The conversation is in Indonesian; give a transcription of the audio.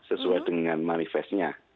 sesuai dengan manifestnya